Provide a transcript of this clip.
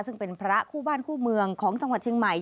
ซึ่งเป็นพระคู่บ้านคู่เมืองของจังหวัดเชียงใหม่